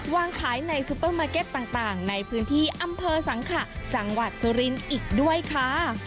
วางขายในซูเปอร์มาร์เก็ตต่างในพื้นที่อำเภอสังขะจังหวัดสุรินทร์อีกด้วยค่ะ